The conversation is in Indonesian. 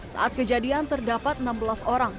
saat kejadian terdapat enam belas orang